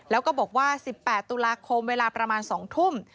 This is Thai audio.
แล้วก็บอกว่า๑๘ตุลาคมเวลาประมาณ๒ทุ่ม